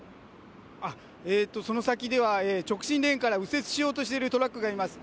あっ、えーと、その先では直進レーンから右折しようとしている車がいます。